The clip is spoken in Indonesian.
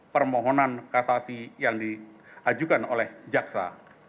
permohonan kasasi yang diajukan oleh jaksa